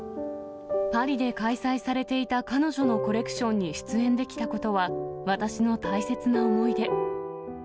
パリで開催されていた彼女のコレクションに出演できたことは、私の大切な思い出。